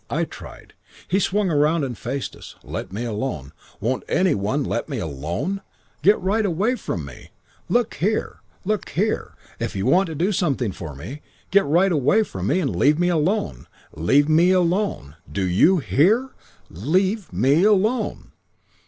I tried. He swung round and faced us. 'Let me alone. Won't any one let me alone? Get right away from me. Look here Look here. If you want to do anything for me, get right away from me and leave me alone. Leave me alone. Do you hear? Leave me alone.'